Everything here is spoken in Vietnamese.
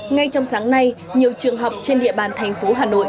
ngay trong sáng nay nhiều trường học trên địa bàn thành phố hà nội